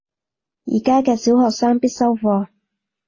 而家嘅小學生必修課